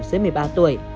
giữa một mươi ba tuổi